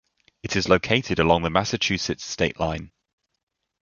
It is located along the Massachusetts state line.